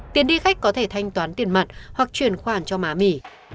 tiền đi khách có thể thanh toán tiền mặn hoặc chuyển khoản cho má mì